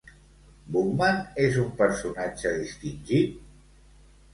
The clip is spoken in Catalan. Boukman és un personatge distingit?